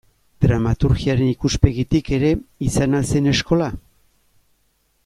Dramaturgiaren ikuspegitik ere izan al zen eskola?